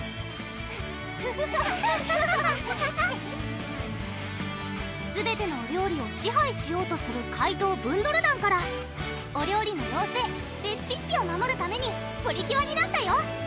ハハハハすべてのお料理を支配しようとする怪盗ブンドル団からお料理の妖精・レシピッピを守るためにプリキュアになったよ